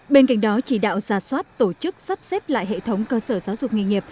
bên cạnh đó chỉ đạo xa xoát tổ chức sắp xếp lại hệ thống cơ sở giáo dục nghề nghiệp